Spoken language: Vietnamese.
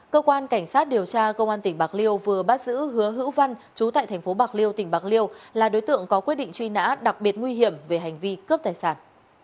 cơ quan cảnh sát điều tra công an tỉnh bạc liêu vừa bắt giữ hứa hữu văn chú tại tp bạc liêu tỉnh bạc liêu là đối tượng có quyết định truy nã đặc biệt nguy hiểm về hành vi cướp tài sản